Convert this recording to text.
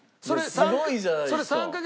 すごいじゃないですか。